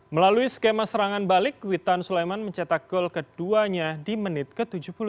melalui skema serangan balik witan sulaiman mencetak gol keduanya di menit ke tujuh puluh dua